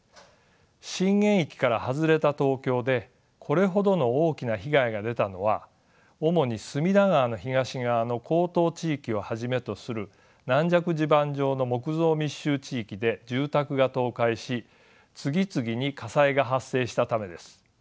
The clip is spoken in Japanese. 震源域から外れた東京でこれほどの大きな被害が出たのは主に隅田川の東側の江東地域をはじめとする軟弱地盤上の木造密集地域で住宅が倒壊し次々に火災が発生したためです。